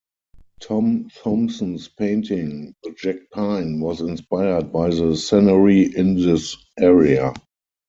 Tom Thomson's painting, "The Jack Pine", was inspired by the scenery in this area.